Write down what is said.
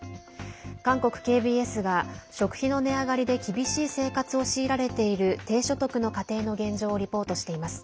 韓国ＫＢＳが食費の値上がりで厳しい生活を強いられている低所得の家庭の現状をリポートしています。